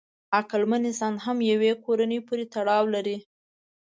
عقلمن انسان هم یوې کورنۍ پورې تړاو لري.